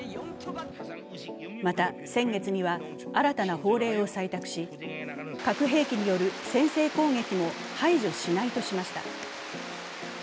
また、先月には新たな法令を採択し核兵器による先制攻撃も排除しないとしました。